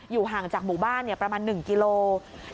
ห่างจากหมู่บ้านประมาณ๑กิโลกรัม